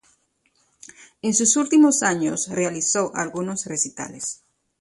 En sus últimos años realizó algunos recitales.